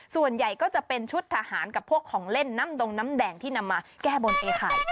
ส่วนใหญ่ก็จะเป็นชุดทหารกับพวกของเล่นน้ำดงน้ำแดงที่นำมาแก้บนไอ้ไข่